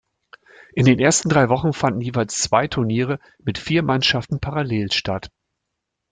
In den ersten drei Wochen fanden jeweils zwei Turniere mit vier Mannschaften parallel statt.